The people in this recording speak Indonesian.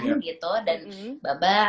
gitu dan babak